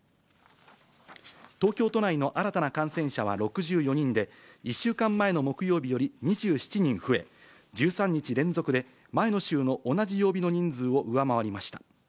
東京都内の新たな感染者は６４人で、１週間前の木曜日より２７人増え、１３日連続で、前の週の同じ曜日の人数を上回りました。